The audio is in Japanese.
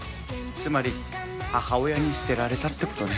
つまり母親に捨てられたってことね。